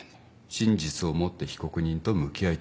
真実を持って被告人と向き合いたい。